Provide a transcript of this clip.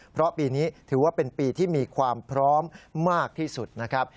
เพราะปีนี้ถือว่าเป็นปีที่มีความพร้อมมากที่สุดนะครับ